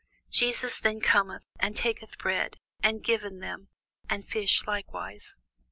Jesus then cometh, and taketh bread, and giveth them, and fish likewise.